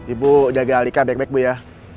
ibu jaga alika baik baik ya